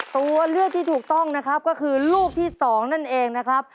ตัวเลือกที่ถูกต้องนะครับก็คือลูกที่๒นั่นเองนะครับ